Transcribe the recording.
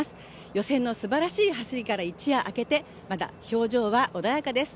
予選のすばらしい走りから一夜明けて、まだ表情は穏やかです。